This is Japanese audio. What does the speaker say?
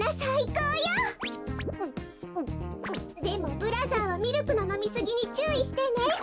でもブラザーはミルクののみすぎにちゅういしてね。